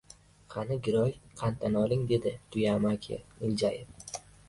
Qani, giroy, qanddan oling! - deydi «Tuya» ama- ki iljayib.